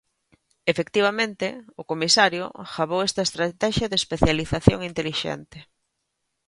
Efectivamente, o comisario gabou esta Estratexia de Especialización Intelixente.